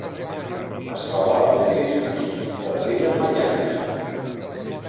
Es troba a l'Illa Christmas i les Illes Mariannes.